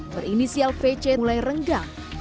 berinisial vc mulai renggang